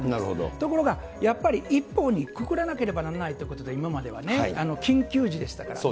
ところがやっぱり一方にくくらなければいけないということで、今まではね、緊急時でしたから。